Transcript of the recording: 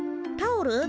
タオル？